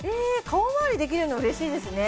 顔まわりできるの嬉しいですね